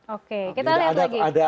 oke kita lihat lagi